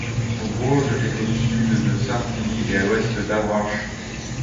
Son bourg est à au sud de Sartilly et à à l'ouest d'Avranches.